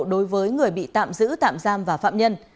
đối với người bị tạm giữ tạm giam và phạm nhân